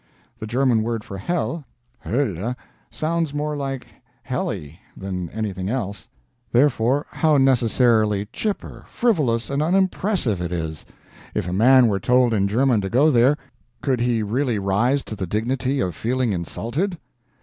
The German word for hell Hoelle sounds more like HELLY than anything else; therefore, how necessarily chipper, frivolous, and unimpressive it is. If a man were told in German to go there, could he really rise to thee dignity of feeling insulted?